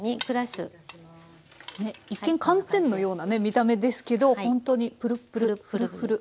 一見寒天のようなね見た目ですけどほんとにプルプルフルフル。